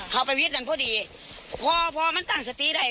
เข้าไปวิธษฐ์นั้นเพราะดีเพราะพอมันตั้งสติได้